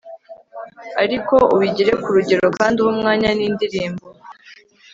ariko ubigire ku rugero, kandi uhe umwanya n'indirimbo